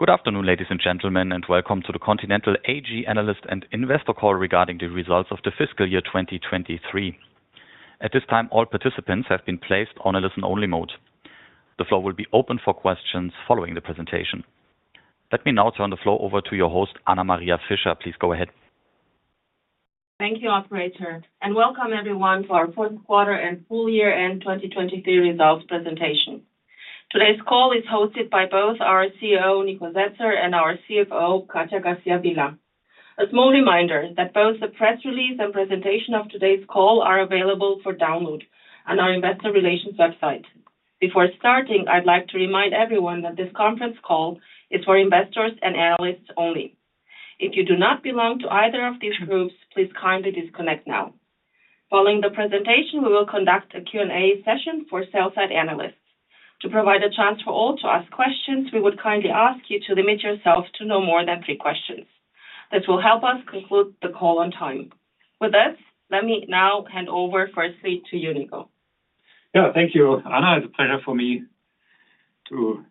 Good afternoon, ladies and gentlemen, and welcome to the Continental AG analyst and investor call regarding the results of the fiscal year 2023. At this time, all participants have been placed on a listen-only mode. The floor will be open for questions following the presentation. Let me now turn the floor over to your host, Anna-Maria Fischer. Please go ahead. Thank you, operator, and welcome everyone to our fourth quarter and full-year end 2023 results presentation. Today's call is hosted by both our CEO, Nikolai Setzer, and our CFO, Katja Garcia Vila. A small reminder that both the press release and presentation of today's call are available for download on our Investor Relations website. Before starting, I'd like to remind everyone that this conference call is for investors and analysts only. If you do not belong to either of these groups, please kindly disconnect now. Following the presentation, we will conduct a Q&A session for sell-side analysts. To provide a chance for all to ask questions, we would kindly ask you to limit yourself to no more than three questions. This will help us conclude the call on time. With us, let me now hand over firstly to you, Niko. Yeah, thank you, Anna. It's a pleasure for me to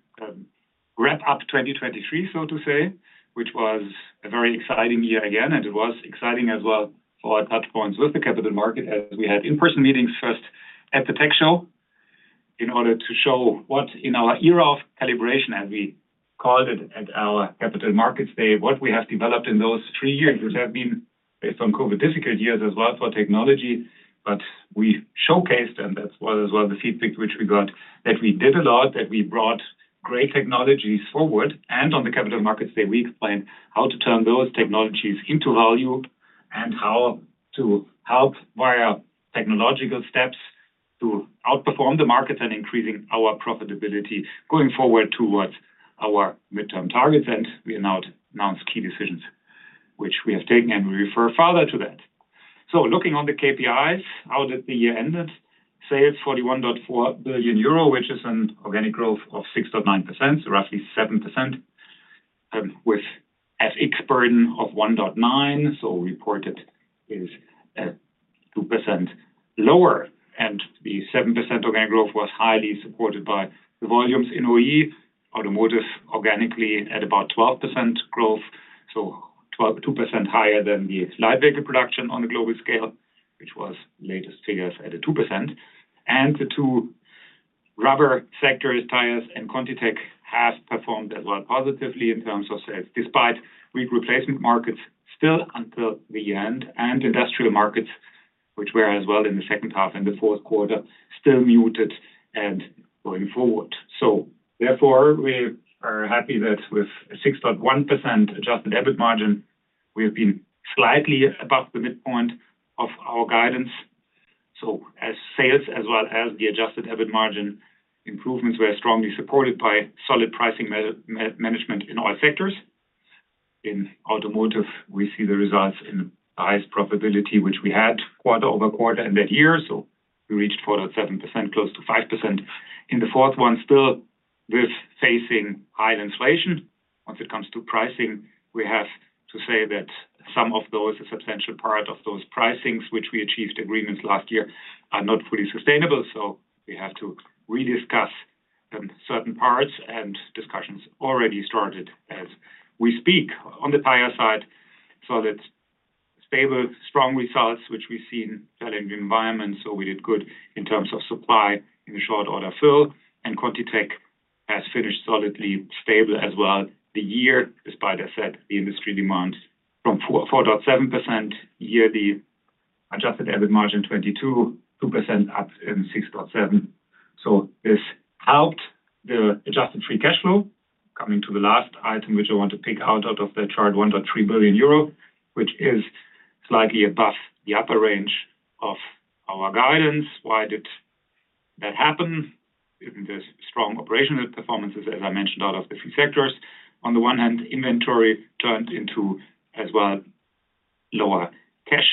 wrap up 2023, so to say, which was a very exciting year again. And it was exciting as well for our touchpoints with the capital market as we had in-person meetings first at the tech show in order to show what, in our era of calibration, as we called it at our Capital Markets Day, what we have developed in those three years, which have been, based on COVID, difficult years as well for technology. But we showcased, and that was as well the feedback which we got, that we did a lot, that we brought great technologies forward. And on the Capital Markets Day, we explained how to turn those technologies into value and how to help via technological steps to outperform the markets and increase our profitability going forward towards our midterm targets. We announced key decisions which we have taken, and we refer further to that. Looking on the KPIs, how did the year end? Sales: 41.4 billion euro, which is an organic growth of 6.9%, roughly 7%, with FX burden of 1.9%. Reported is 2% lower. The 7% organic growth was highly supported by the volumes in OE. Automotive organically at about 12% growth, so 2% higher than the light vehicle production on the global scale, which was latest figures at 2%. The two rubber sectors, Tires and ContiTech, have performed as well positively in terms of sales despite weak replacement markets still until the end. Industrial markets, which were as well in the second half and the fourth quarter, still muted and going forward. So therefore, we are happy that with a 6.1% adjusted EBIT margin, we have been slightly above the midpoint of our guidance. So as sales as well as the adjusted EBIT margin improvements were strongly supported by solid pricing management in all sectors. In Automotive, we see the results in the highest profitability, which we had quarter-over-quarter in that year. So we reached 4.7%, close to 5% in the fourth one, still facing high inflation. Once it comes to pricing, we have to say that some of those, a substantial part of those pricings which we achieved agreements last year are not fully sustainable. So we have to rediscuss certain parts. Discussions already started as we speak on the tire side. Solid, stable, strong results, which we've seen fell in the environment. So we did good in terms of supply in the short order fill. ContiTech has finished solidly stable as well the year, despite, as said, the industry demand from 4.7% yearly, adjusted EBIT margin 22%, 2% up in 6.7%. So this helped the adjusted free cash flow. Coming to the last item, which I want to pick out of the chart, 1.3 billion euro, which is slightly above the upper range of our guidance. Why did that happen? Given the strong operational performances, as I mentioned, out of the three sectors, on the one hand, inventory turned into as well lower cash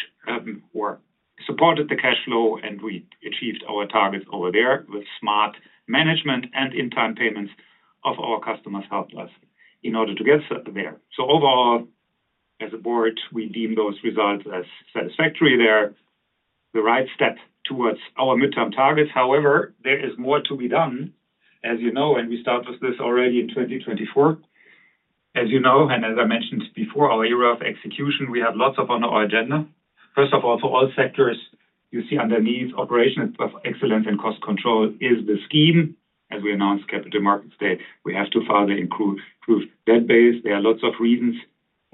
or supported the cash flow. And we achieved our targets over there with smart management. And on-time payments of our customers helped us in order to get there. So overall, as a board, we deem those results as satisfactory. They're the right step towards our midterm targets. However, there is more to be done, as you know, and we start with this already in 2024. As you know, and as I mentioned before, our era of execution, we have lots of on our agenda. First of all, for all sectors, you see underneath operational excellence and cost control is the scheme. As we announced Capital Markets Day, we have to further improve that base. There are lots of reasons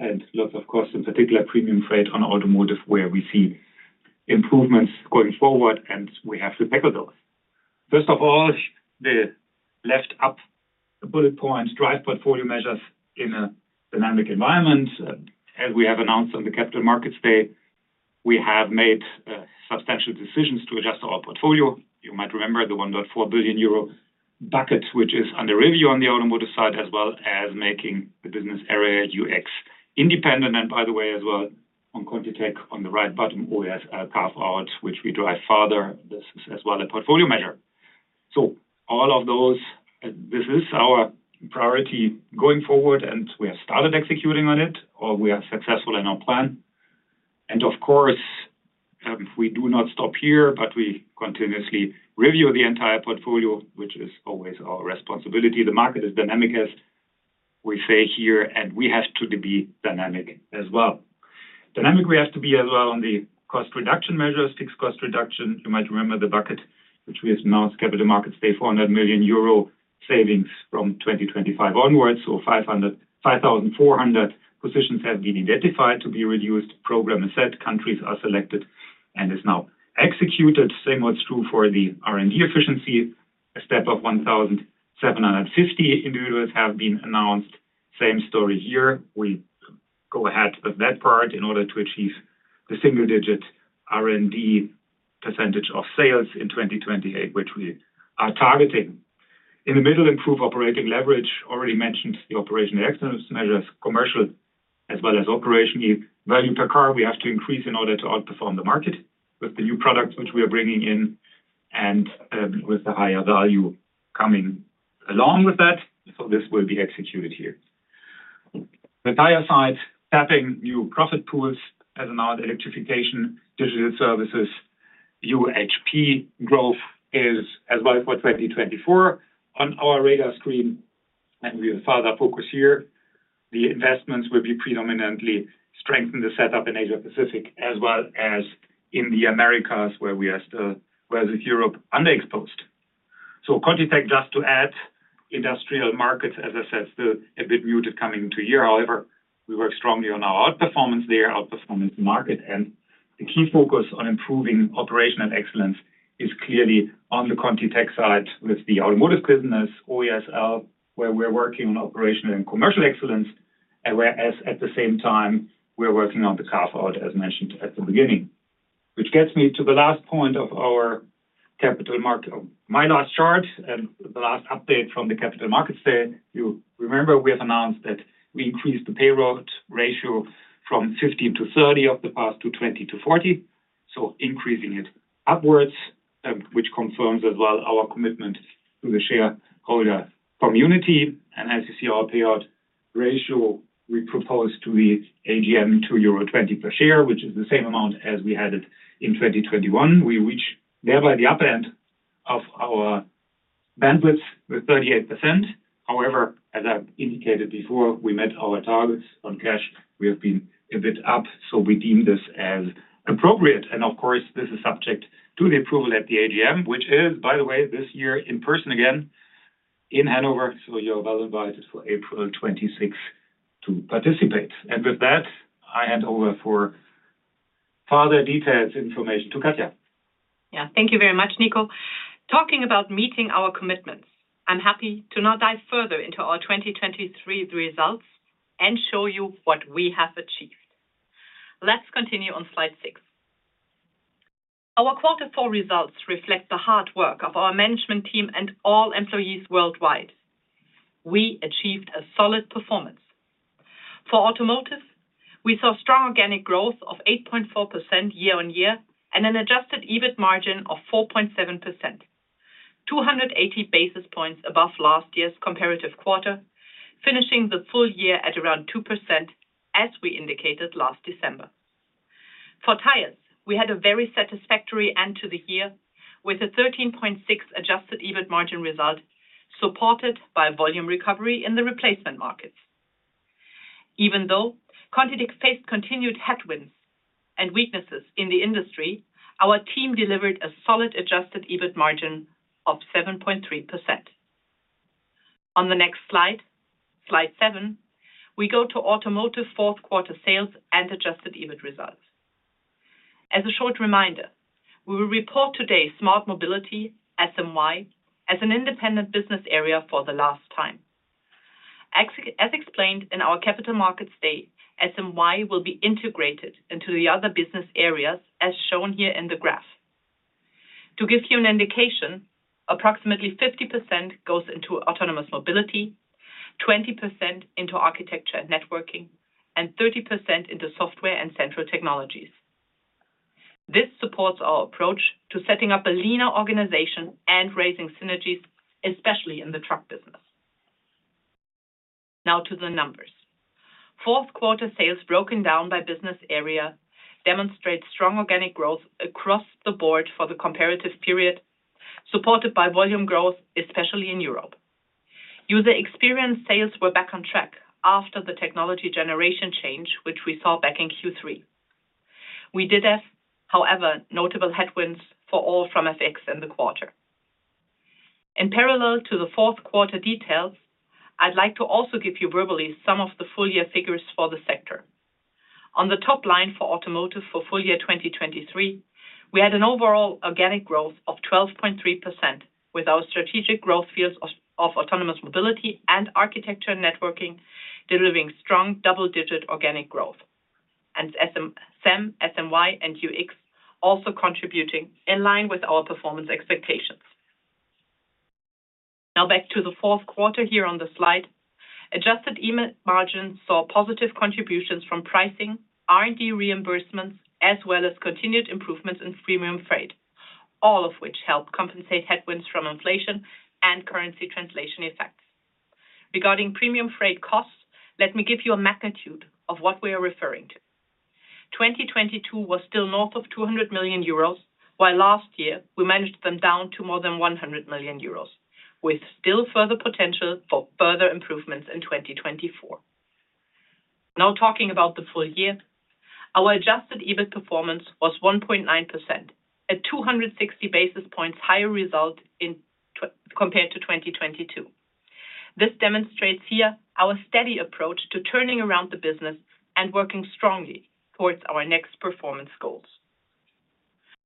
and lots of costs, in particular premium freight on Automotive, where we see improvements going forward, and we have to tackle those. First of all, the left-up bullet point, drive portfolio measures in a dynamic environment. As we have announced on the Capital Markets Day, we have made substantial decisions to adjust our portfolio. You might remember the 1.4 billion euro bucket, which is under review on the Automotive side, as well as making the business area UX independent, and by the way, as well on ContiTech, on the right bottom, OESL carve-out, which we drive further. This is as well a portfolio measure. So all of those, this is our priority going forward, and we have started executing on it, or we are successful in our plan. Of course, we do not stop here, but we continuously review the entire portfolio, which is always our responsibility. The market is dynamic, as we say here, and we have to be dynamic as well. Dynamic, we have to be as well on the cost reduction measures, fixed cost reduction. You might remember the bucket, which we announced Capital Markets Day, 400 million euro savings from 2025 onwards. So 5,400 positions have been identified to be reduced. Program is set. Countries are selected and is now executed. Same what's true for the R&D efficiency. A step of 1,750 individuals have been announced. Same story here. We go ahead with that part in order to achieve the single-digit R&D percentage of sales in 2028, which we are targeting. In the middle, improve operating leverage. Already mentioned the operational excellence measures, commercial as well as operationally value per car. We have to increase in order to outperform the market with the new products which we are bringing in and with the higher value coming along with that. So this will be executed here. The Tires side, tapping new profit pools as announced, electrification, digital services, UHP growth is as well for 2024 on our radar screen. With further focus here, the investments will be predominantly strengthen the setup in Asia Pacific as well as in the Americas, where we are still, whereas with Europe, underexposed. So ContiTech, just to add, industrial markets, as I said, still a bit muted coming into year. However, we work strongly on our outperformance there, outperformance the market. And the key focus on improving operational excellence is clearly on the ContiTech side with the Automotive business, OESL, where we're working on operational and commercial excellence, whereas at the same time, we're working on the carve-out, as mentioned at the beginning, which gets me to the last point of our Capital Markets Day, my last chart and the last update from the Capital Markets Day. You remember we have announced that we increased the payout ratio from 15%-30% of the past to 20%-40%, so increasing it upwards, which confirms as well our commitment to the shareholder community. As you see, our payout ratio, we propose to the AGM, 2.20 euro per share, which is the same amount as we had it in 2021. We reach thereby the upper end of our bandwidths with 38%. However, as I indicated before, we met our targets on cash. We have been a bit up, so we deem this as appropriate. And of course, this is subject to the approval at the AGM, which is, by the way, this year in person again in Hanover. So you're well invited for April 26th to participate. And with that, I hand over for further details, information to Katja. Yeah, thank you very much, Niko. Talking about meeting our commitments, I'm happy to now dive further into our 2023 results and show you what we have achieved. Let's continue on slide six. Our quarter four results reflect the hard work of our management team and all employees worldwide. We achieved a solid performance. For Automotive, we saw strong organic growth of 8.4% year-on-year and an adjusted EBIT margin of 4.7%, 280 basis points above last year's comparative quarter, finishing the full year at around 2% as we indicated last December. For Tires, we had a very satisfactory end to the year with a 13.6% adjusted EBIT margin result supported by volume recovery in the replacement markets. Even though ContiTech faced continued headwinds and weaknesses in the industry, our team delivered a solid adjusted EBIT margin of 7.3%. On the next slide, slide seven, we go to Automotive fourth quarter sales and adjusted EBIT results. As a short reminder, we will report today Smart Mobility, SMY, as an independent business area for the last time. As explained in our Capital Markets Day, SMY will be integrated into the other business areas as shown here in the graph. To give you an indication, approximately 50% goes into Autonomous Mobility, 20% into Architecture and Networking, and 30% into Software and Central Technologies. This supports our approach to setting up a leaner organization and raising synergies, especially in the truck business. Now to the numbers. Fourth quarter sales, broken down by business area, demonstrate strong organic growth across the board for the comparative period, supported by volume growth, especially in Europe. User Experience sales were back on track after the technology generation change, which we saw back in Q3. We did have, however, notable headwinds for all from FX in the quarter. In parallel to the fourth quarter details, I'd like to also give you verbally some of the full-year figures for the sector. On the top line for Automotive for full-year 2023, we had an overall organic growth of 12.3% with our strategic growth fields of Autonomous Mobility and Architecture and Networking delivering strong double-digit organic growth and SMY and UX also contributing in line with our performance expectations. Now back to the fourth quarter here on the slide. Adjusted EBIT margin saw positive contributions from pricing, R&D reimbursements, as well as continued improvements in premium freight, all of which helped compensate headwinds from inflation and currency translation effects. Regarding premium freight costs, let me give you a magnitude of what we are referring to. 2022 was still north of 200 million euros, while last year we managed them down to more than 100 million euros, with still further potential for further improvements in 2024. Now talking about the full year, our adjusted EBIT performance was 1.9%, a 260 basis points higher result compared to 2022. This demonstrates here our steady approach to turning around the business and working strongly towards our next performance goals.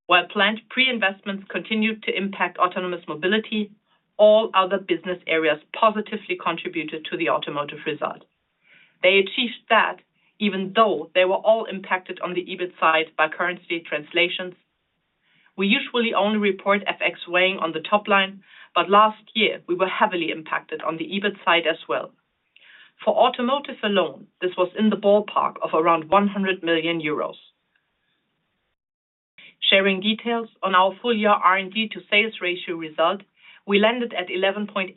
While planned pre-investments continued to impact Autonomous Mobility, all other business areas positively contributed to the Automotive result. They achieved that even though they were all impacted on the EBIT side by currency translations. We usually only report FX weighing on the top line, but last year we were heavily impacted on the EBIT side as well. For Automotive alone, this was in the ballpark of around 100 million euros. Sharing details on our full-year R&D to sales ratio result. We landed at 11.8%,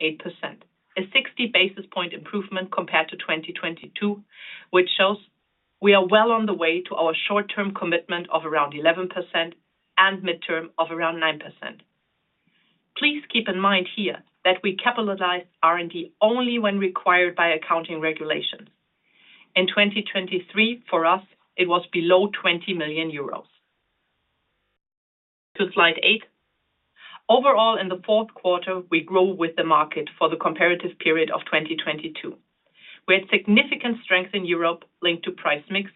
a 60-basis point improvement compared to 2022, which shows we are well on the way to our short-term commitment of around 11% and midterm of around 9%. Please keep in mind here that we capitalized R&D only when required by accounting regulations. In 2023, for us, it was below 20 million euros. To slide eight. Overall, in the fourth quarter, we grow with the market for the comparative period of 2022. We had significant strength in Europe linked to price mix,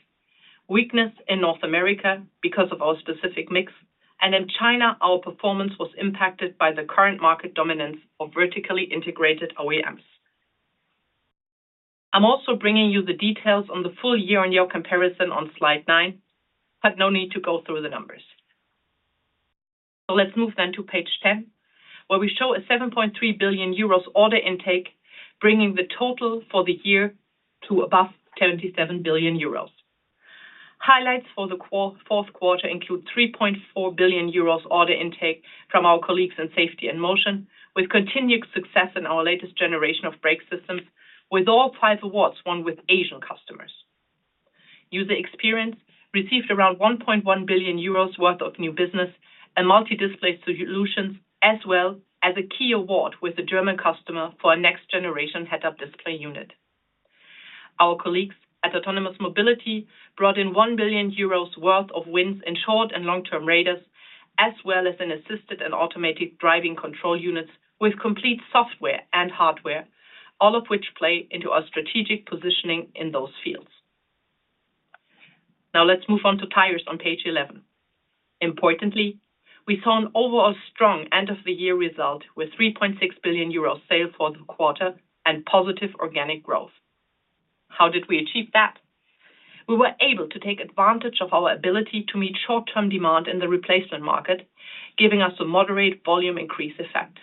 weakness in North America because of our specific mix, and in China, our performance was impacted by the current market dominance of vertically integrated OEMs. I'm also bringing you the details on the full year-on-year comparison on slide nine, but no need to go through the numbers. So let's move then to page 10, where we show a 7.3 billion euros order intake, bringing the total for the year to above 77 billion euros. Highlights for the fourth quarter include 3.4 billion euros order intake from our colleagues in Safety and Motion, with continued success in our latest generation of brake systems, with all five awards won with Asian customers. User Experience received around 1.1 billion euros worth of new business and multi-display solutions, as well as a key award with a German customer for a next-generation head-up display unit. Our colleagues at Autonomous Mobility brought in 1 billion euros worth of wins in short and long-term radars, as well as in assisted and automated driving control units with complete software and hardware, all of which play into our strategic positioning in those fields. Now let's move on to Tires on page 11. Importantly, we saw an overall strong end-of-the-year result with 3.6 billion euros sales for the quarter and positive organic growth. How did we achieve that? We were able to take advantage of our ability to meet short-term demand in the replacement market, giving us a moderate volume increase effect.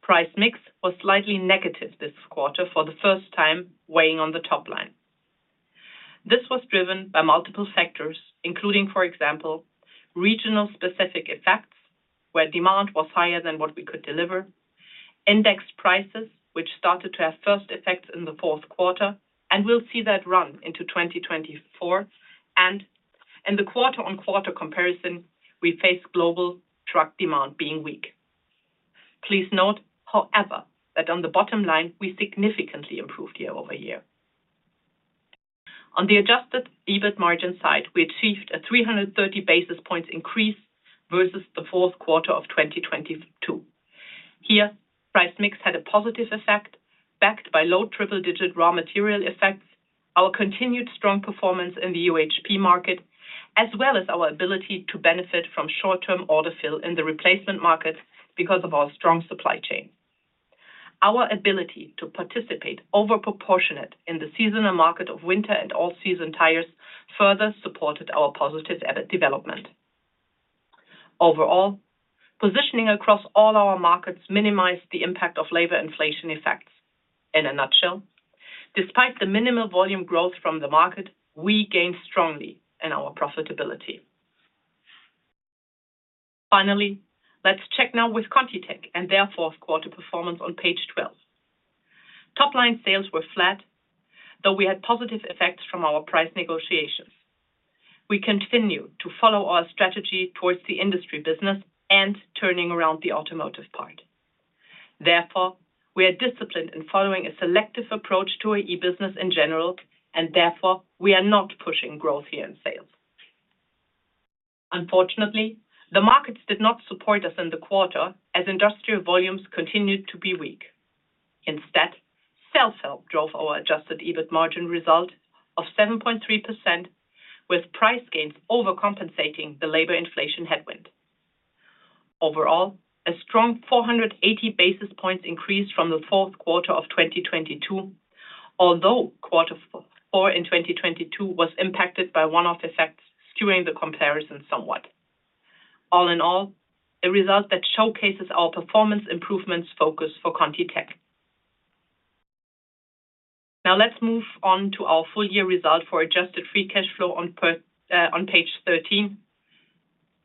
Price mix was slightly negative this quarter for the first time, weighing on the top line. This was driven by multiple factors, including, for example, region-specific effects, where demand was higher than what we could deliver, indexed prices, which started to have first effects in the fourth quarter, and we'll see that run into 2024. In the quarter-on-quarter comparison, we faced global truck demand being weak. Please note, however, that on the bottom line, we significantly improved year-over-year. On the adjusted EBIT margin side, we achieved a 330 basis points increase versus the fourth quarter of 2022. Here, price mix had a positive effect backed by low triple-digit raw material effects, our continued strong performance in the UHP market, as well as our ability to benefit from short-term order fill in the replacement markets because of our strong supply chain. Our ability to participate, overproportionate in the seasonal market of winter and all-season tires further supported our positive development. Overall, positioning across all our markets minimized the impact of labor inflation effects. In a nutshell, despite the minimal volume growth from the market, we gained strongly in our profitability. Finally, let's check now with ContiTech and their fourth quarter performance on page 12. Top-line sales were flat, though we had positive effects from our price negotiations. We continue to follow our strategy towards the industry business and turning around the Automotive part. Therefore, we are disciplined in following a selective approach to our e-business in general, and therefore we are not pushing growth here in sales. Unfortunately, the markets did not support us in the quarter as industrial volumes continued to be weak. Instead, self-help drove our adjusted EBIT margin result of 7.3%, with price gains overcompensating the labor inflation headwind. Overall, a strong 480 basis points increase from the fourth quarter of 2022, although quarter four in 2022 was impacted by one-off effects skewing the comparison somewhat. All in all, a result that showcases our performance improvements focus for ContiTech. Now let's move on to our full-year result for adjusted free cash flow on page 13.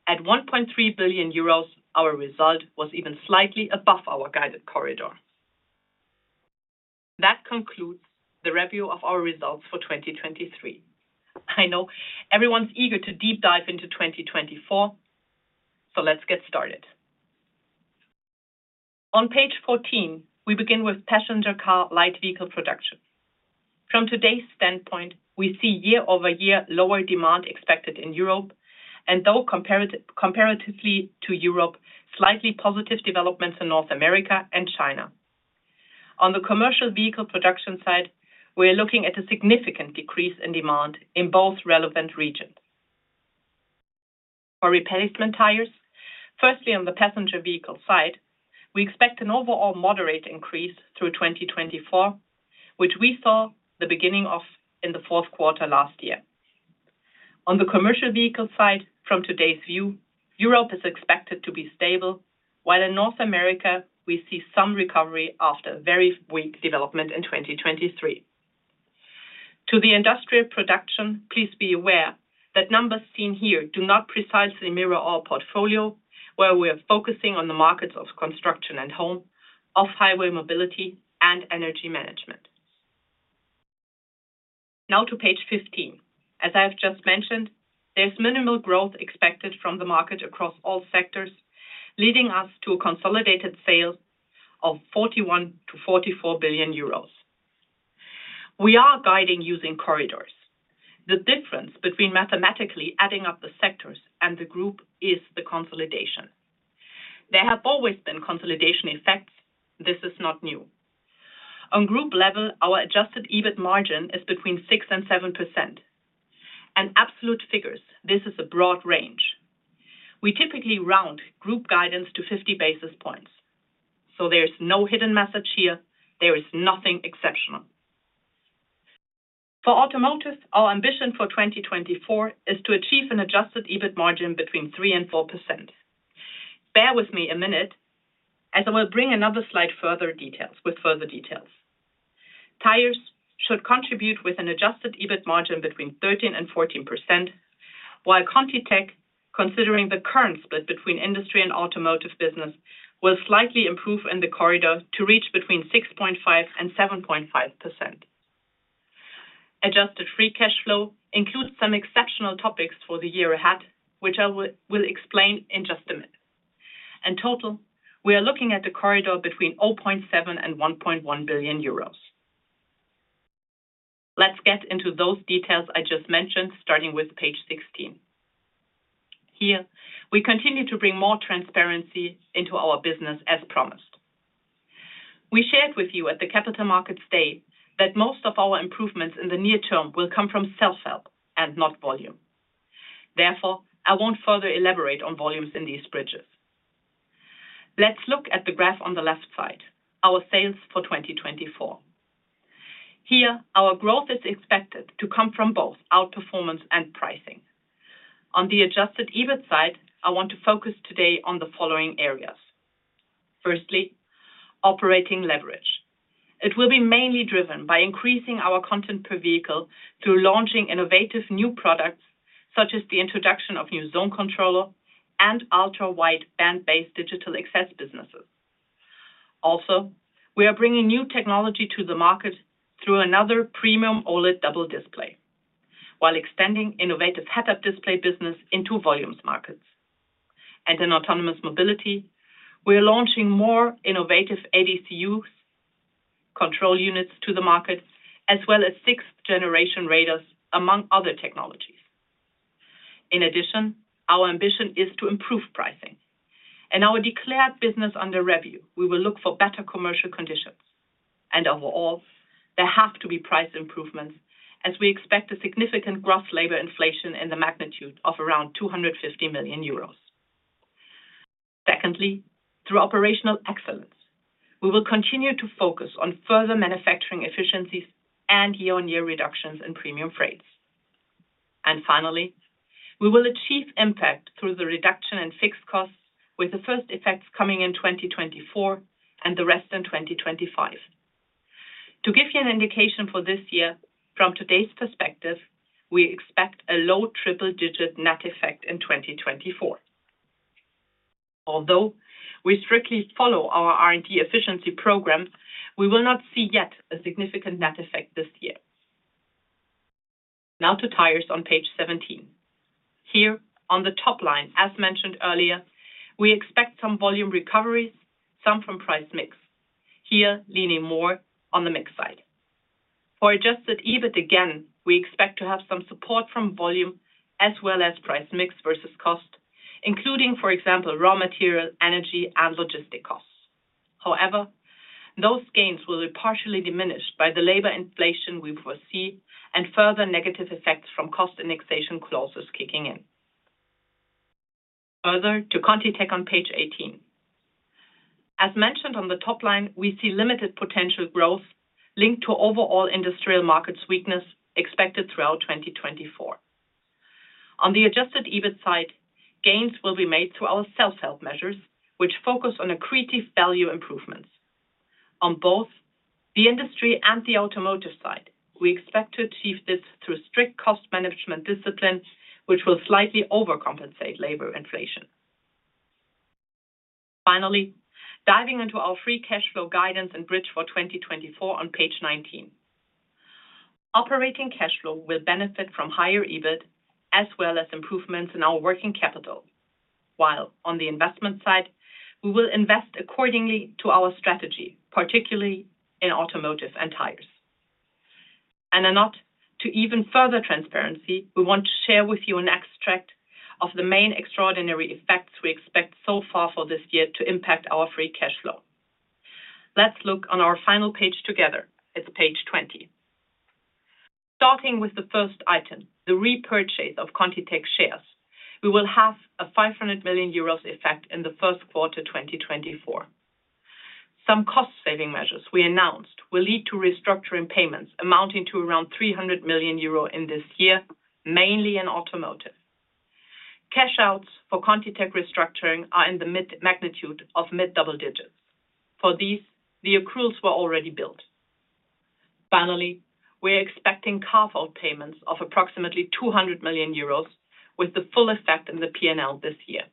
At 1.3 billion euros, our result was even slightly above our guided corridor. That concludes the review of our results for 2023. I know everyone's eager to deep dive into 2024, so let's get started. On page 14, we begin with passenger car light vehicle production. From today's standpoint, we see year-over-year lower demand expected in Europe, and though comparatively to Europe, slightly positive developments in North America and China. On the commercial vehicle production side, we are looking at a significant decrease in demand in both relevant regions. For replacement tires, firstly, on the passenger vehicle side, we expect an overall moderate increase through 2024, which we saw the beginning of in the fourth quarter last year. On the commercial vehicle side, from today's view, Europe is expected to be stable, while in North America, we see some recovery after very weak development in 2023. To the industrial production, please be aware that numbers seen here do not precisely mirror our portfolio, where we are focusing on the markets of construction and home, off-highway mobility, and energy management. Now to page 15. As I have just mentioned, there's minimal growth expected from the market across all sectors, leading us to a consolidated sale of 41 billion-44 billion euros. We are guiding using corridors. The difference between mathematically adding up the sectors and the group is the consolidation. There have always been consolidation effects. This is not new. On group level, our adjusted EBIT margin is between 6% and 7%. Absolute figures, this is a broad range. We typically round group guidance to 50 basis points. So there's no hidden message here. There is nothing exceptional. For Automotive, our ambition for 2024 is to achieve an adjusted EBIT margin between 3% and 4%. Bear with me a minute as I will bring another slide with further details. Tires should contribute with an adjusted EBIT margin between 13% and 14%, while ContiTech, considering the current split between industry and Automotive business, will slightly improve in the corridor to reach between 6.5% and 7.5%. Adjusted free cash flow includes some exceptional topics for the year ahead, which I will explain in just a minute. In total, we are looking at a corridor between 0.7 billion and 1.1 billion euros. Let's get into those details I just mentioned, starting with page 16. Here, we continue to bring more transparency into our business, as promised. We shared with you at the Capital Markets Day that most of our improvements in the near term will come from self-help and not volume. Therefore, I won't further elaborate on volumes in these bridges. Let's look at the graph on the left side, our sales for 2024. Here, our growth is expected to come from both outperformance and pricing. On the adjusted EBIT side, I want to focus today on the following areas. Firstly, operating leverage. It will be mainly driven by increasing our content per vehicle through launching innovative new products such as the introduction of new zone controller and ultra-wide band-based digital access businesses. Also, we are bringing new technology to the market through another premium OLED double display, while extending innovative head-up display business into volumes markets. In Autonomous Mobility, we are launching more innovative ADCUs control units to the market, as well as sixth-generation radars, among other technologies. In addition, our ambition is to improve pricing. In our declared business under review, we will look for better commercial conditions. Overall, there have to be price improvements as we expect a significant gross labor inflation in the magnitude of around 250 million euros. Secondly, through operational excellence, we will continue to focus on further manufacturing efficiencies and year-on-year reductions in premium freights. Finally, we will achieve impact through the reduction in fixed costs, with the first effects coming in 2024 and the rest in 2025. To give you an indication for this year, from today's perspective, we expect a low triple-digit net effect in 2024. Although we strictly follow our R&D efficiency program, we will not see yet a significant net effect this year. Now to Tires on page 17. Here, on the top line, as mentioned earlier, we expect some volume recoveries, some from price mix, here leaning more on the mix side. For adjusted EBIT again, we expect to have some support from volume as well as price mix versus cost, including, for example, raw material, energy, and logistic costs. However, those gains will be partially diminished by the labor inflation we foresee and further negative effects from cost indexation clauses kicking in. Further, to ContiTech on page 18. As mentioned on the top line, we see limited potential growth linked to overall industrial markets weakness expected throughout 2024. On the adjusted EBIT side, gains will be made through our self-help measures, which focus on accretive value improvements. On both the industry and the Automotive side, we expect to achieve this through strict cost management discipline, which will slightly overcompensate labor inflation. Finally, diving into our free cash flow guidance and bridge for 2024 on page 19. Operating cash flow will benefit from higher EBIT as well as improvements in our working capital, while on the investment side, we will invest accordingly to our strategy, particularly in Automotive and Tires. In order to even further transparency, we want to share with you an extract of the main extraordinary effects we expect so far for this year to impact our free cash flow. Let's look on our final page together. It's page 20. Starting with the first item, the repurchase of ContiTech shares. We will have a 500 million euros effect in the first quarter 2024. Some cost-saving measures we announced will lead to restructuring payments amounting to around 300 million euro in this year, mainly in Automotive. Cash outs for ContiTech restructuring are in the magnitude of mid-double digits. For these, the accruals were already built. Finally, we are expecting carve-out payments of approximately 200 million euros with the full effect in the P&L this year.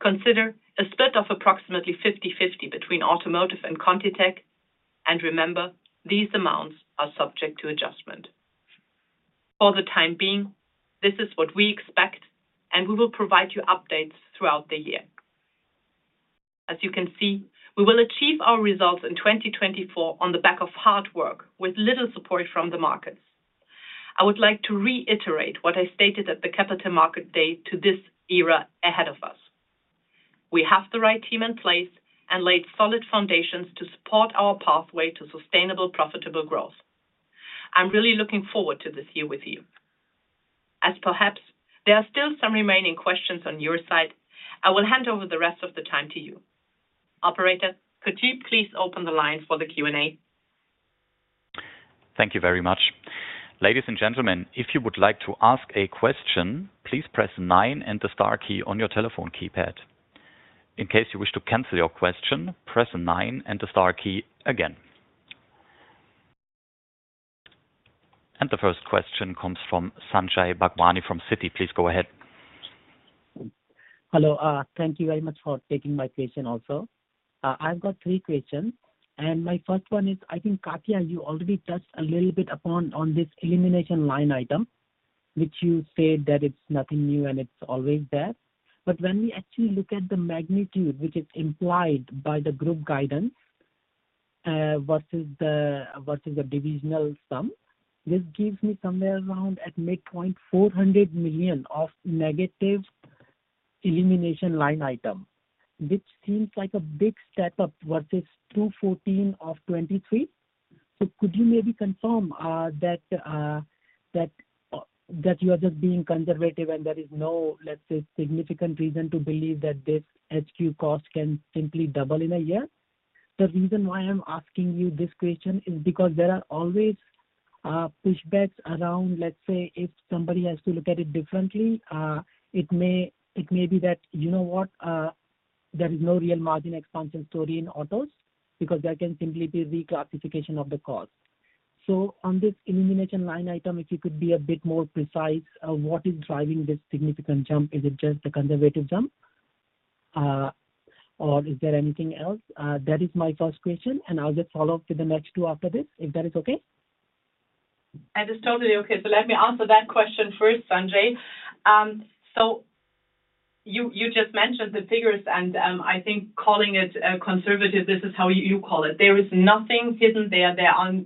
Consider a split of approximately 50/50 between Automotive and ContiTech, and remember, these amounts are subject to adjustment. For the time being, this is what we expect, and we will provide you updates throughout the year. As you can see, we will achieve our results in 2024 on the back of hard work with little support from the markets. I would like to reiterate what I stated at the Capital Markets Day to this era ahead of us. We have the right team in place and laid solid foundations to support our pathway to sustainable, profitable growth. I'm really looking forward to this year with you. As perhaps there are still some remaining questions on your side, I will hand over the rest of the time to you. Operator, could you please open the lines for the Q&A? Thank you very much. Ladies and gentlemen, if you would like to ask a question, please press nine and the star key on your telephone keypad. In case you wish to cancel your question, press nine and the star key again. The first question comes from Sanjay Bhagwani from Citi. Please go ahead. Hello. Thank you very much for taking my question also. I've got three questions. My first one is, I think, Katja, you already touched a little bit upon this elimination line item, which you said that it's nothing new and it's always there. But when we actually look at the magnitude which is implied by the group guidance versus the divisional sum, this gives me somewhere around at midpoint 400 million of negative elimination line item, which seems like a big step up versus 214 million of 2023. So could you maybe confirm that you are just being conservative and there is no, let's say, significant reason to believe that this HQ cost can simply double in a year? The reason why I'm asking you this question is because there are always pushbacks around, let's say, if somebody has to look at it differently, it may be that, you know what, there is no real margin expansion story in autos because there can simply be reclassification of the cost. So on this elimination line item, if you could be a bit more precise, what is driving this significant jump? Is it just the conservative jump, or is there anything else? That is my first question, and I'll just follow up with the next two after this, if that is okay. That is totally okay. So let me answer that question first, Sanjay. So you just mentioned the figures, and I think calling it conservative, this is how you call it. There is nothing hidden there.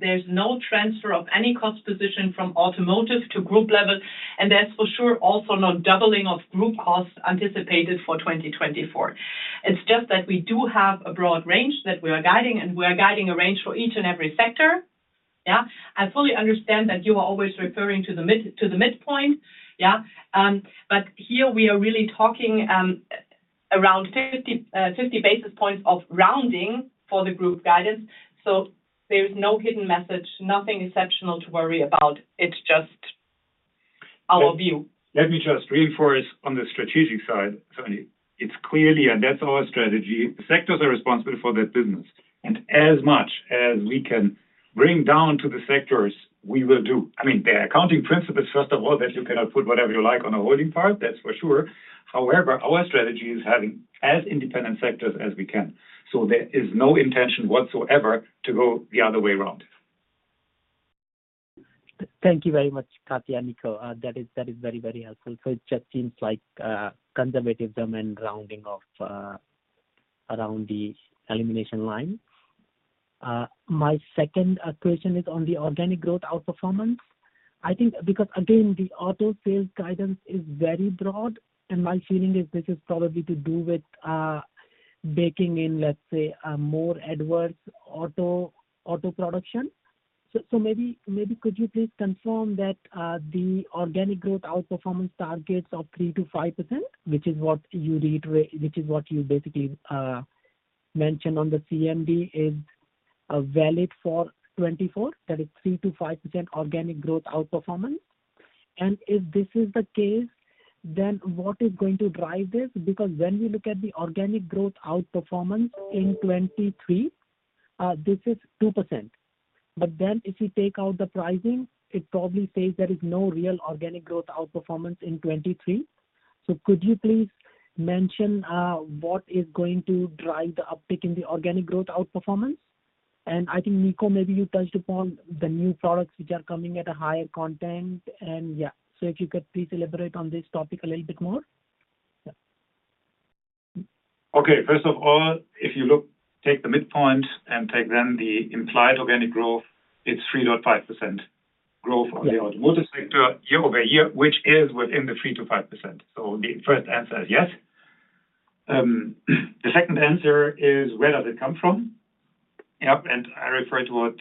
There's no transfer of any cost position from Automotive to group level, and there's for sure also no doubling of group costs anticipated for 2024. It's just that we do have a broad range that we are guiding, and we are guiding a range for each and every sector. Yeah, I fully understand that you are always referring to the midpoint. Yeah, but here we are really talking around 50 basis points of rounding for the group guidance. So there is no hidden message, nothing exceptional to worry about. It's just our view. Let me just reinforce on the strategic side, Sanjay. It's clearly, and that's our strategy. Sectors are responsible for that business. And as much as we can bring down to the sectors, we will do. I mean, the accounting principle is, first of all, that you cannot put whatever you like on a holding part. That's for sure. However, our strategy is having as independent sectors as we can. So there is no intention whatsoever to go the other way around. Thank you very much, Katja and Niko. That is very, very helpful. So it just seems like conservatism and rounding around the elimination line. My second question is on the organic growth outperformance. I think because, again, the auto sales guidance is very broad, and my feeling is this is probably to do with baking in, let's say, more adverse auto production. So maybe could you please confirm that the organic growth outperformance targets of 3%-5%, which is what you read, which is what you basically mentioned on the CMD, is valid for 2024? That is 3%-5% organic growth outperformance? And if this is the case, then what is going to drive this? Because when we look at the organic growth outperformance in 2023, this is 2%. But then if you take out the pricing, it probably says there is no real organic growth outperformance in 2023. So could you please mention what is going to drive the uptick in the organic growth outperformance? And I think, Niko, maybe you touched upon the new products which are coming at a higher content. And yeah, so if you could please elaborate on this topic a little bit more. Okay. First of all, if you take the midpoint and take then the implied organic growth, it's 3.5% growth on the Automotive sector year-over-year, which is within the 3%-5%. So the first answer is yes. The second answer is, where does it come from? Yeah. And I refer to what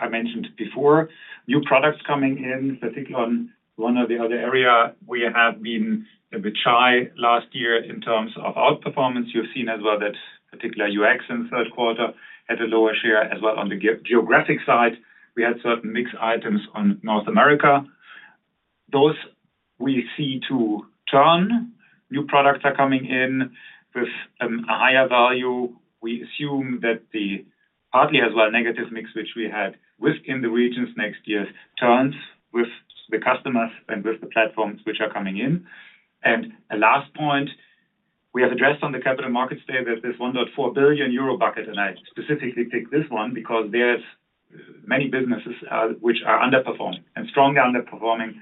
I mentioned before, new products coming in, particularly on one or the other area. We have been a bit shy last year in terms of outperformance. You've seen as well that particularly UX in third quarter had a lower share as well. On the geographic side, we had certain mixed items on North America. Those we see to turn. New products are coming in with a higher value. We assume that partly as well negative mix, which we had within the regions next year, turns with the customers and with the platforms which are coming in. A last point we have addressed on the Capital Markets Day that this 1.4 billion euro bucket, and I specifically picked this one because there are many businesses which are underperforming and strongly underperforming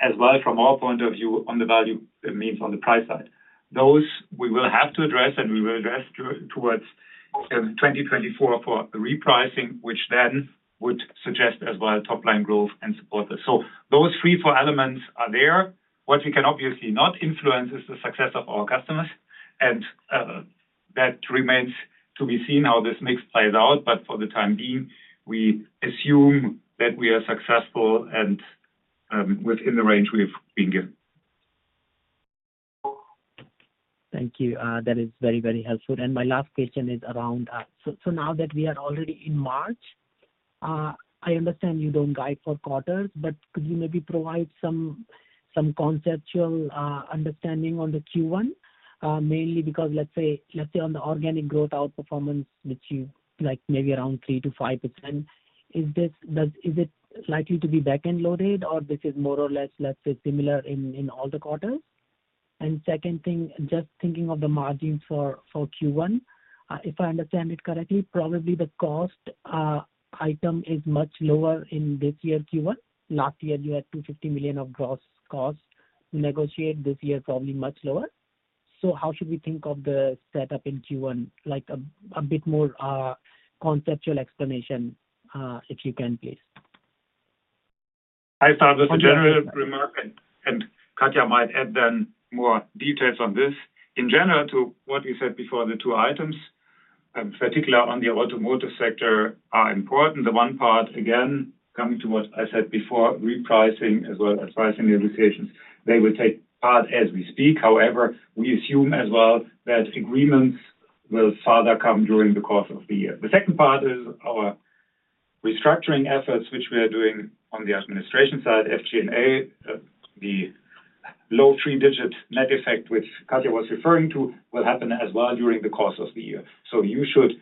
as well from our point of view on the value means on the price side. Those we will have to address, and we will address towards 2024 for repricing, which then would suggest as well top-line growth and support this. So those three four elements are there. What we can obviously not influence is the success of our customers. And that remains to be seen how this mix plays out. But for the time being, we assume that we are successful and within the range we've been given. Thank you. That is very, very helpful. And my last question is around so now that we are already in March, I understand you don't guide for quarters, but could you maybe provide some conceptual understanding on the Q1, mainly because, let's say, on the organic growth outperformance, which you like maybe around 3%-5%, is it likely to be back-end loaded, or this is more or less, let's say, similar in all the quarters? And second thing, just thinking of the margins for Q1, if I understand it correctly, probably the cost item is much lower in this year Q1. Last year, you had 250 million of gross cost to negotiate. This year, probably much lower. So how should we think of the setup in Q1? A bit more conceptual explanation, if you can, please. I thought this was a generative remark, and Katja might add then more details on this. In general, to what we said before, the two items, particularly on the Automotive sector, are important. The one part, again, coming to what I said before, repricing as well as pricing negotiations, they will take part as we speak. However, we assume as well that agreements will further come during the course of the year. The second part is our restructuring efforts, which we are doing on the administration side, SG&A, the low three-digit net effect which Katja was referring to will happen as well during the course of the year. So you should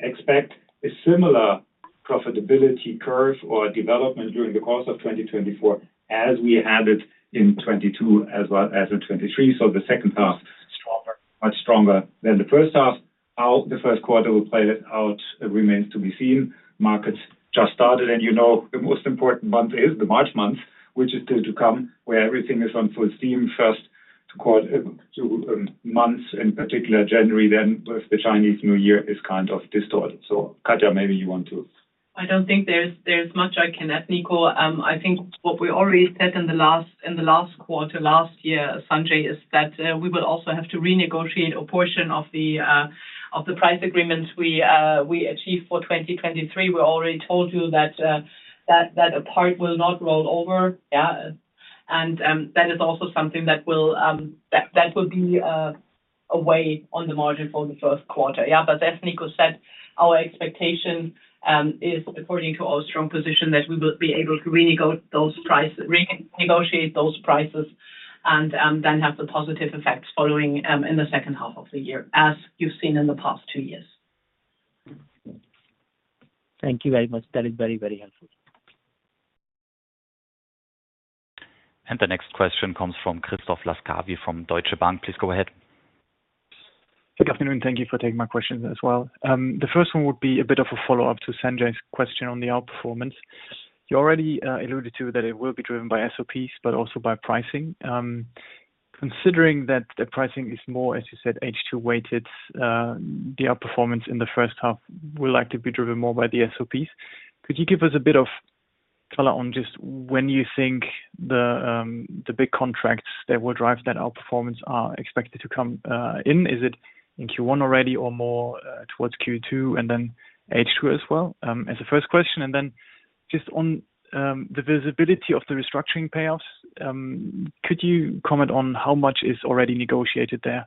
expect a similar profitability curve or development during the course of 2024 as we had it in 2022 as well as in 2023. So the second half, much stronger than the first half. How the first quarter will play it out remains to be seen. Markets just started, and you know the most important month is the March month, which is still to come, where everything is on full steam first months, in particular January, then with the Chinese New Year is kind of distorted. So, Katja, maybe you want to. I don't think there's much I can add, Niko. I think what we already said in the last quarter last year, Sanjay, is that we will also have to renegotiate a portion of the price agreements we achieve for 2023. We already told you that a part will not roll over. Yeah. And that is also something that will be a drag on the margin for the first quarter. Yeah. But as Niko said, our expectation is, according to our strong position, that we will be able to renegotiate those prices and then have the positive effects following in the second half of the year, as you've seen in the past two years. Thank you very much. That is very, very helpful. The next question comes from Christoph Laskawi from Deutsche Bank. Please go ahead. Good afternoon. Thank you for taking my question as well. The first one would be a bit of a follow-up to Sanjay's question on the outperformance. You already alluded to that it will be driven by SOPs, but also by pricing. Considering that pricing is more, as you said, H2-weighted, the outperformance in the first half will likely be driven more by the SOPs. Could you give us a bit of color on just when you think the big contracts that will drive that outperformance are expected to come in? Is it in Q1 already or more towards Q2 and then H2 as well as a first question? And then just on the visibility of the restructuring payoffs, could you comment on how much is already negotiated there?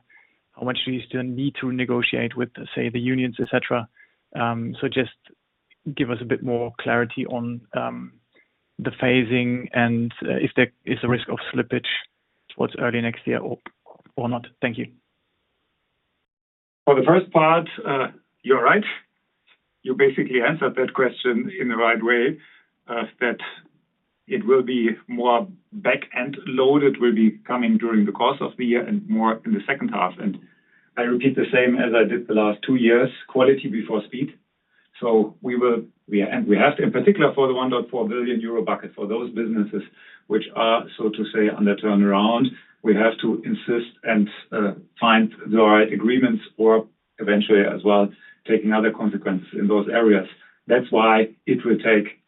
How much do you still need to negotiate with, say, the unions, etc.? Just give us a bit more clarity on the phasing and if there is a risk of slippage towards early next year or not. Thank you. For the first part, you're right. You basically answered that question in the right way, that it will be more back-end loaded, will be coming during the course of the year and more in the second half. And I repeat the same as I did the last two years, quality before speed. So we will, and we have to, in particular for the 1.4 billion euro bucket, for those businesses which are, so to say, on the turnaround, we have to insist and find the right agreements or eventually as well taking other consequences in those areas. That's why it will take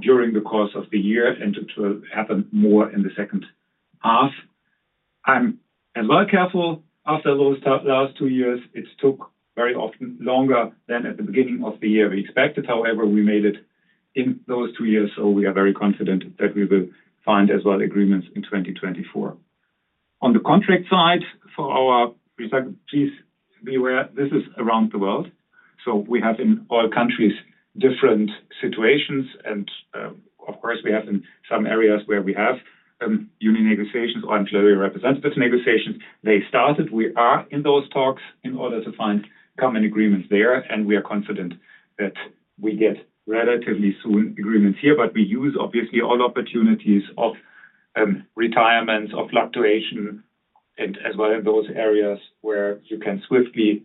during the course of the year and it will happen more in the second half. I'm as well careful. After those last two years, it took very often longer than at the beginning of the year we expected. However, we made it in those two years, so we are very confident that we will find as well agreements in 2024. On the contract side for our restructuring, please be aware, this is around the world. So we have in all countries different situations. And of course, we have in some areas where we have union negotiations or employee representative negotiations. They started. We are in those talks in order to find common agreements there, and we are confident that we get relatively soon agreements here. But we use obviously all opportunities of retirements, of fluctuation, and as well in those areas where you can swiftly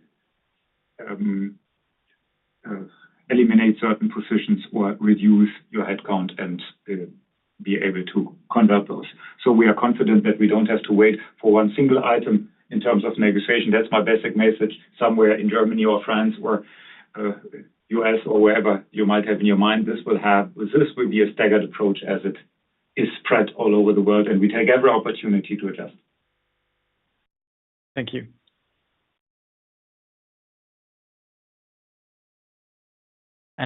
eliminate certain positions or reduce your headcount and be able to convert those. So we are confident that we don't have to wait for one single item in terms of negotiation. That's my basic message. Somewhere in Germany or France or U.S. or wherever you might have in your mind, this will be a staggered approach as it is spread all over the world, and we take every opportunity to adjust. Thank you.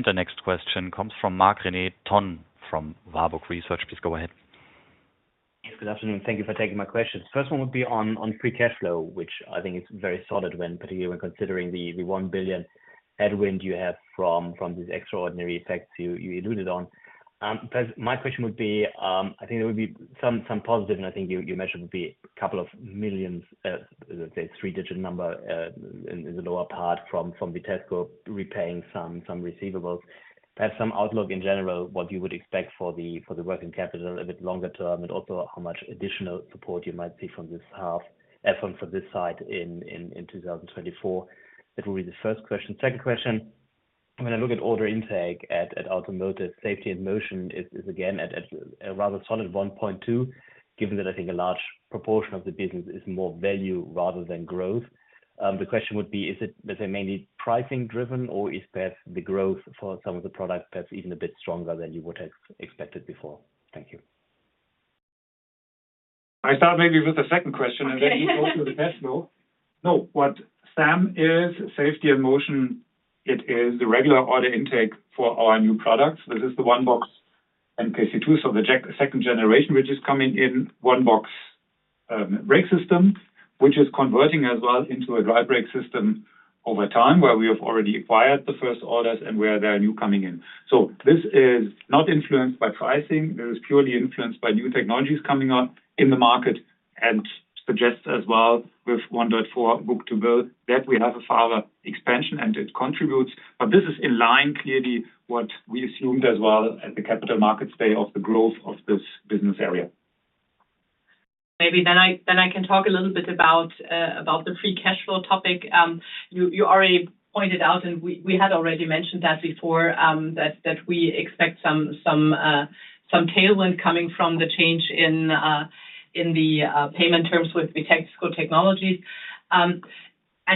The next question comes from Marc-René Tonn from Warburg Research. Please go ahead. Yes. Good afternoon. Thank you for taking my question. The first one would be on free cash flow, which I think is very solid, particularly when considering the 1 billion headwind you have from these extraordinary effects you alluded to. My question would be, I think there will be some positive, and I think you mentioned it would be a couple of millions, let's say, three-digit number in the lower part from Vitesco repaying some receivables. Perhaps some outlook in general, what you would expect for the working capital a bit longer term, and also how much additional support you might see from this half effort for this side in 2024. That will be the first question. Second question, when I look at order intake at Automotive, Safety and Motion is, again, at a rather solid 1.2, given that I think a large proportion of the business is more value rather than growth. The question would be, is it, let's say, mainly pricing-driven, or is perhaps the growth for some of the products perhaps even a bit stronger than you would have expected before? Thank you. I start maybe with the second question, and then you go through the cash flow. No, what SAM is, Safety and Motion, it is the regular order intake for our new products. This is the one-box MK C2, so the second generation, which is coming in, one-box brake system, which is converting as well into a dry brake system over time where we have already acquired the first orders and where there are new coming in. So this is not influenced by pricing. It is purely influenced by new technologies coming out in the market and suggests as well with 1.4 book-to-bill that we have a further expansion, and it contributes. But this is in line clearly with what we assumed as well at the Capital Markets Day of the growth of this business area. Maybe then I can talk a little bit about the free cash flow topic. You already pointed out, and we had already mentioned that before, that we expect some tailwind coming from the change in the payment terms with Vitesco Technologies.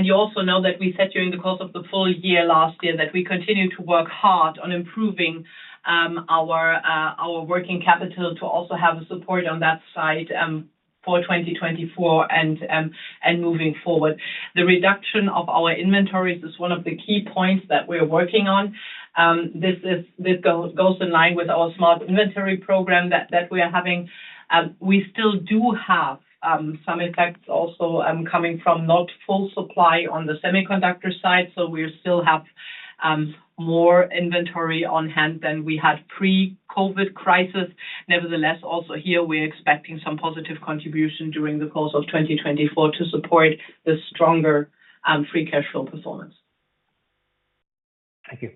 You also know that we said during the course of the full year last year that we continue to work hard on improving our working capital to also have a support on that side for 2024 and moving forward. The reduction of our inventories is one of the key points that we're working on. This goes in line with our smart inventory program that we are having. We still do have some effects also coming from not full supply on the semiconductor side. So we still have more inventory on hand than we had pre-COVID crisis. Nevertheless, also here, we're expecting some positive contribution during the course of 2024 to support the stronger free cash flow performance. Thank you.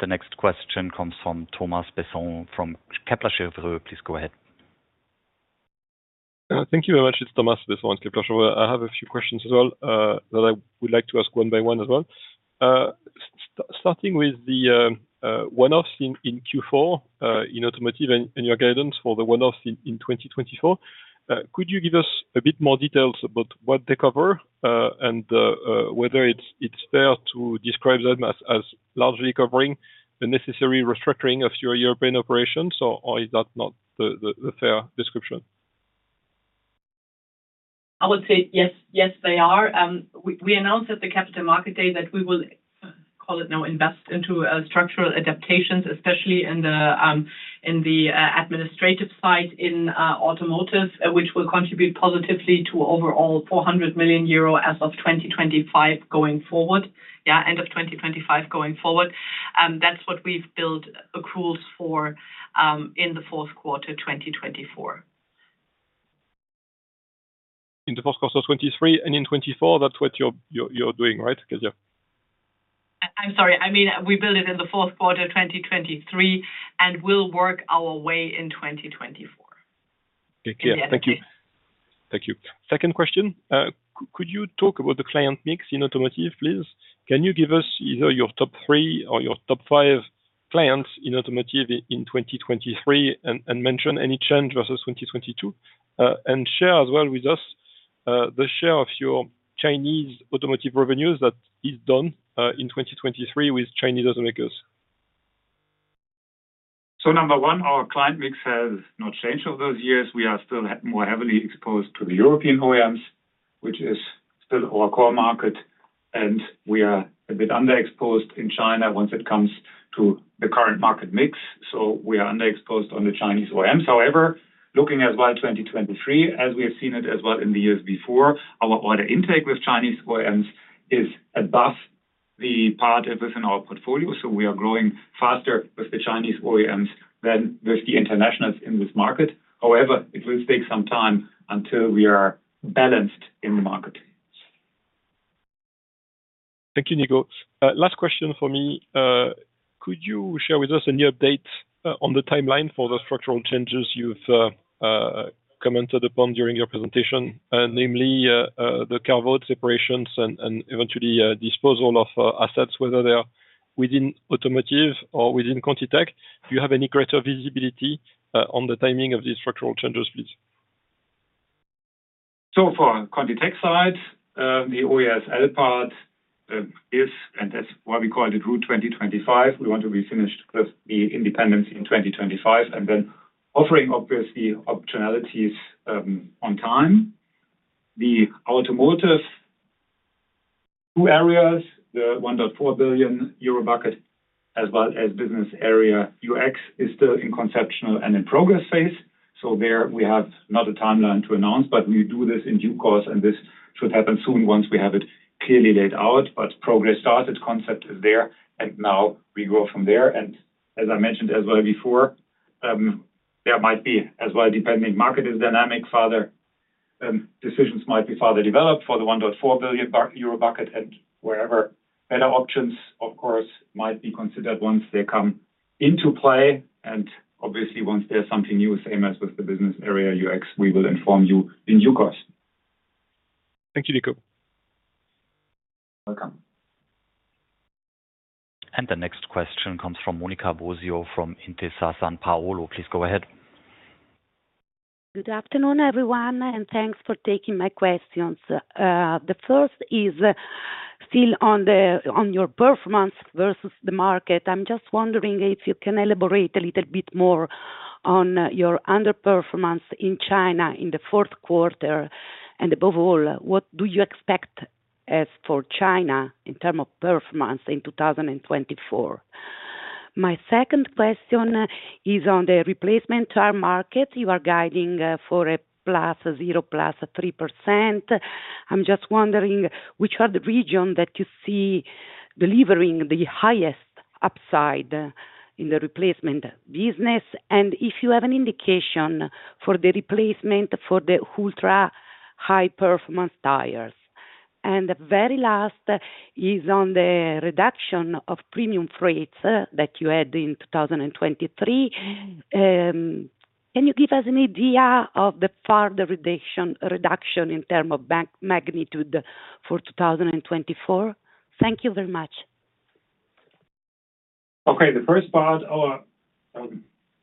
The next question comes from Thomas Besson from Kepler Cheuvreux. Please go ahead. Thank you very much. It's Thomas Besson at Kepler Cheuvreux. I have a few questions as well that I would like to ask one by one as well. Starting with the one-offs in Q4 in Automotive and your guidance for the one-offs in 2024, could you give us a bit more details about what they cover and whether it's fair to describe them as largely covering a necessary restructuring of your European operations, or is that not the fair description? I would say yes, yes, they are. We announced at the Capital Market Day that we will, call it now, invest into structural adaptations, especially in the administrative side in Automotive, which will contribute positively to overall 400 million euro as of 2025 going forward, yeah, end of 2025 going forward. That's what we've built accruals for in the fourth quarter 2024. In the fourth quarter of 2023 and in 2024, that's what you're doing, right, Katja? I'm sorry. I mean, we built it in the fourth quarter 2023 and will work our way in 2024. Okay. Thank you. Thank you. Second question, could you talk about the client mix in Automotive, please? Can you give us either your top three or your top five clients in Automotive in 2023 and mention any change versus 2022 and share as well with us the share of your Chinese automotive revenues that is done in 2023 with Chinese automakers? So number one, our client mix has not changed over those years. We are still more heavily exposed to the European OEMs, which is still our core market. We are a bit underexposed in China when it comes to the current market mix. We are underexposed on the Chinese OEMs. However, looking as well at 2023, as we have seen it as well in the years before, our order intake with Chinese OEMs is above the part within our portfolio. We are growing faster with the Chinese OEMs than with the internationals in this market. However, it will take some time until we are balanced in the market. Thank you, Niko. Last question for me. Could you share with us any updates on the timeline for the structural changes you've commented upon during your presentation, namely the carve-out separations and eventually disposal of assets, whether they're within Automotive or within ContiTech? Do you have any greater visibility on the timing of these structural changes, please? So for ContiTech side, the OESL part is, and that's why we called it Route 2025. We want to be finished with the independence in 2025 and then offering, obviously, optionalities on time. The Automotive two areas, the 1.4 billion euro bucket as well as business area UX, is still in conceptual and in progress phase. So there we have not a timeline to announce, but we do this in due course, and this should happen soon once we have it clearly laid out. But progress started concept is there, and now we grow from there. And as I mentioned as well before, there might be as well depending market is dynamic, further decisions might be further developed for the 1.4 billion euro bucket and wherever. Better options, of course, might be considered once they come into play. Obviously, once there's something new, same as with the business area UX, we will inform you in due course. Thank you, Niko. Welcome. The next question comes from Monica Bosio from Intesa SanPaolo. Please go ahead. Good afternoon, everyone, and thanks for taking my questions. The first is still on your performance versus the market. I'm just wondering if you can elaborate a little bit more on your underperformance in China in the fourth quarter. And above all, what do you expect as for China in terms of performance in 2024? My second question is on the replacement car market. You are guiding for a +0% to +3%. I'm just wondering which are the regions that you see delivering the highest upside in the replacement business and if you have an indication for the replacement for the ultra-high-performance tires. And the very last is on the reduction of premium freights that you had in 2023. Can you give us an idea of the further reduction in terms of magnitude for 2024? Thank you very much. Okay. The first part, our